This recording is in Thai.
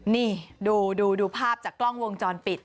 นี่ดูภาพจากกล้องวงจรปิด